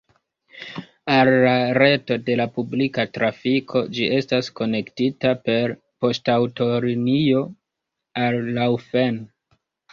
Al la reto de la publika trafiko ĝi estas konektita per poŝtaŭtolinio al Laufen.